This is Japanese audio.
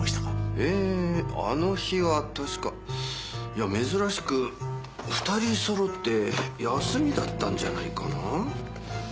えーあの日は確か珍しく２人そろって休みだったんじゃないかな。